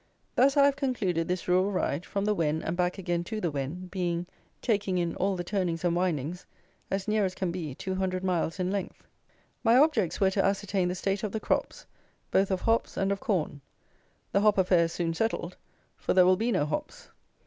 Thus I have concluded this "rural ride," from the Wen and back again to the Wen, being, taking in all the turnings and windings, as near as can be, two hundred miles in length. My objects were to ascertain the state of the crops, both of hops and of corn. The hop affair is soon settled, for there will be no hops.